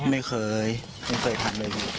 ไม่เคยไม่เคยทำเลย